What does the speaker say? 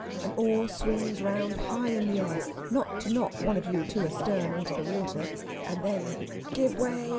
An oar swings round high in the air, not to knock one of you two astarn into the water, and then, "Give way!"